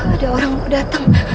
ada orang mau datang